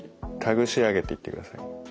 ぐしあげていってください。